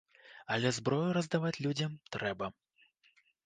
Але зброю раздаваць людзям трэба.